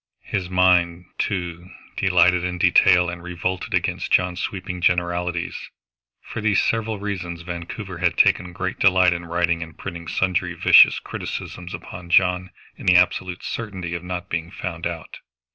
His mind, too, delighted in detail and revolted against John's sweeping generalities. For these several reasons Vancouver had taken great delight in writing and printing sundry vicious criticisms upon John in the absolute certainty of not being found out.